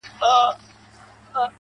ساقي پر ملا را خمه سه پر ملا در مات دی.